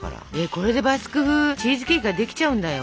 これでバスク風チーズケーキができちゃうんだよ。